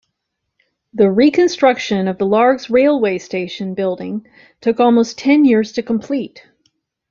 The reconstruction of the Largs railway station building took almost ten years to complete.